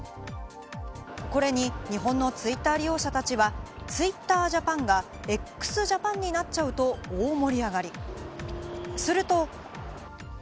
これに日本のツイッター利用者たちは、ツイッタージャパンがＸＪＡＰＡＮになっちゃうと大盛り上がり。